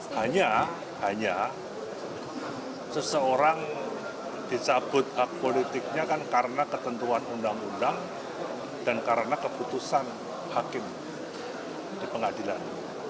hanya hanya seseorang dicabut hak politiknya kan karena ketentuan undang undang dan karena keputusan hakim di pengadilan